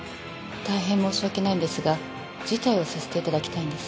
大変申し訳ないんですが辞退をさせていただきたいんです